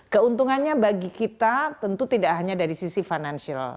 keuntungannya bagi kita tentu tidak hanya dari sisi financial